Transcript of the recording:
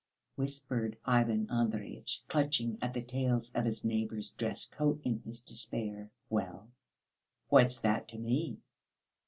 whispered Ivan Andreyitch, clutching at the tails of his neighbour's dress coat in his despair. "Well, what's that to me?